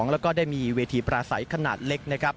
แล้วก็ได้มีเวทีปราศัยขนาดเล็ก